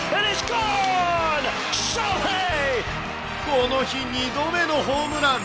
この日、２度目のホームラン。